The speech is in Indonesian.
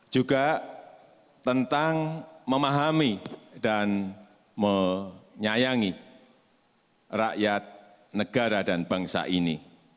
juga tentang memahami dan menyayangi rakyat negara dan bangsa ini